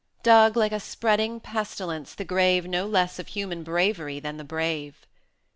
50 Dug, like a spreading pestilence, the grave No less of human bravery than the brave!